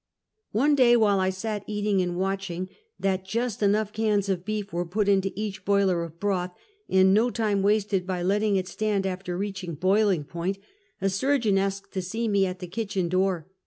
One day while I sat eating and watching, that just enough cans of beef were put into each boiler of broth, and no time wasted by letting it stand after reaching boiling point, a surgeon asked to see me at the kitchen door.